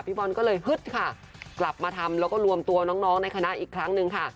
บอลก็เลยฮึดค่ะกลับมาทำแล้วก็รวมตัวน้องในคณะอีกครั้งหนึ่งค่ะ